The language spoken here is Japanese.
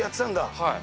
はい。